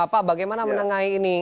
pak bagaimana menengahi ini